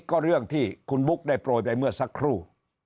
ก็เรื่องที่คุณบุ๊กได้โปรยไปเมื่อสักครู่